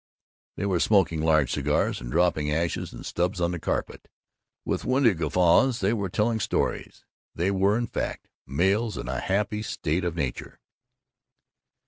They were smoking large cigars and dropping ashes and stubs on the carpet. With windy guffaws they were telling stories. They were, in fact, males in a happy state of nature.